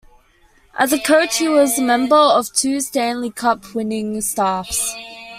As a coach, he was a member of two Stanley Cup-winning staffs.